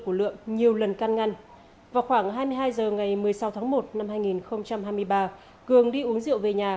của lượng nhiều lần can ngăn vào khoảng hai mươi hai h ngày một mươi sáu tháng một năm hai nghìn hai mươi ba cường đi uống rượu về nhà